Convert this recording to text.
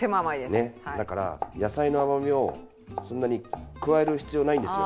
ねっだから野菜の甘味をそんなに加える必要ないんですよ。